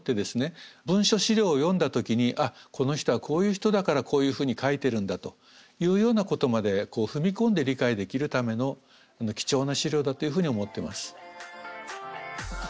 文書史料を読んだ時にあっこの人はこういう人だからこういうふうに書いてるんだというようなことまで踏み込んで理解できるための貴重な史料だというふうに思ってます。